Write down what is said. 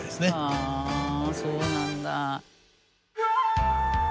はあそうなんだ。